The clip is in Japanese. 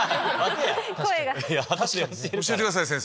教えてください先生。